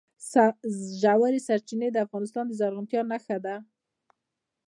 ژورې سرچینې د افغانستان د زرغونتیا نښه ده.